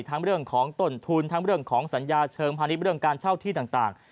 เรื่องของต้นทุนทั้งเรื่องของสัญญาเชิงพาณิชย์เรื่องการเช่าที่ต่าง